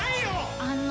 あの。